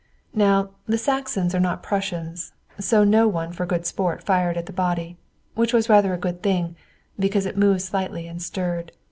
Now the Saxons are not Prussians, so no one for sport fired at the body. Which was rather a good thing, because it moved slightly and stirred.